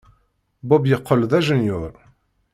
Bob yeqqel d ajenyuṛ.